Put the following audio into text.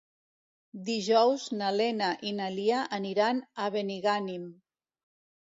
Dijous na Lena i na Lia aniran a Benigànim.